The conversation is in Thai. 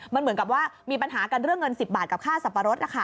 มันเหมือนกับว่ามีปัญหากันเรื่องเงิน๑๐บาทกับค่าสับปะรด